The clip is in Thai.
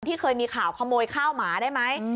เคยมีข่าวขโมยข้าวหมาได้ไหม